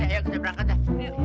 ayo kita berangkat dah